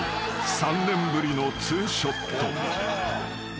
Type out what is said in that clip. ３年ぶりのツーショット］